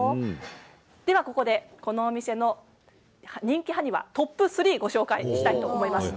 では、ここでこのお店の人気埴輪トップ３をご紹介したいと思います。